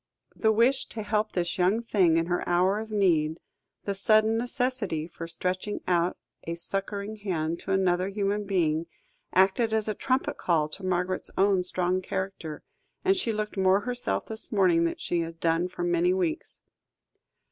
The wish to help this young thing in her hour of need, the sudden necessity for stretching out a succouring hand to another human being, acted as a trumpet call to Margaret's own strong character, and she looked more herself this morning, than she had done for many weeks.